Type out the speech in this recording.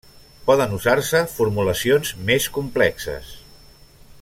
Poden usar-se formulacions més complexes.